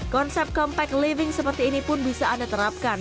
konsep compact living seperti ini pun bisa anda terapkan